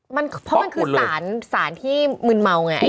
เพราะมันคือสารที่มืนเมาไง